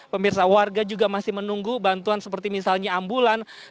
pemirsa warga juga masih menunggu bantuan seperti misalnya ambulan